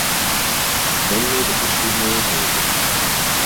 Данное допущение возможно.